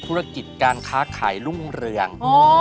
ภูติการท้าขายรุ่งเรือง